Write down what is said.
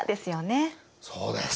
そうです。